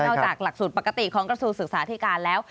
และนอกจากหลักสูตรปกติของกระทูศึกษาอธิการแล้ว